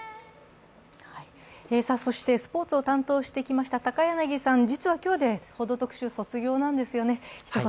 そしてスポーツを担当してきました高柳さん、実は今日で「報道特集」を卒業なんですよね。